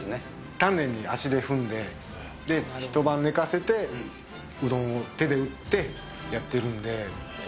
丹念に足で踏んで、一晩寝かせて、うどんを手で打ってやってるんで。